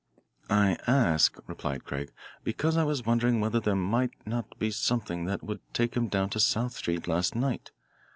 "I ask," replied Craig, "because I was wondering whether there might not be something that would take him down to South Street last night.